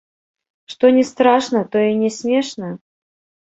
Што не страшна, тое не смешна?